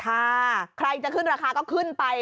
ใครจะขึ้นราคาก็ขึ้นไป